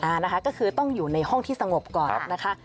นะคะก็คือต้องอยู่ในห้องที่สงบก่อนนะคะ